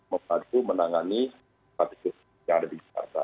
membantu menangani status yang ada di jakarta